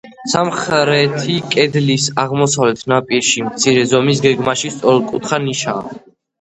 სამხრეთი კედლის აღმოსავლეთ ნაპირში მცირე ზომის, გეგმაში სწორკუთხა, ნიშაა.